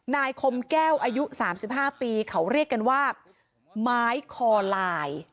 คมแก้วอายุ๓๕ปีเขาเรียกกันว่าไม้คอลาย